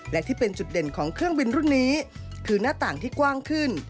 และที่เป็นจุดเด่นของเครื่องบินรุ่นนี้คือหน้าต่างที่กว้างขึ้น